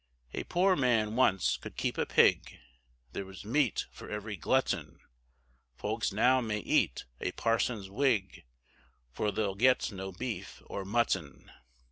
A poor man once could keep a pig, There was meat for every glutton, Folks now may eat a parson's wig, For they'll get no beef or mutton.